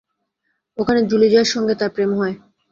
ওখানে জুলিজার সঙ্গে তাঁর প্রেম হয়।